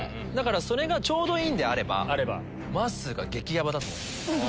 それがちょうどいいんであればまっすーが激ヤバだと思います。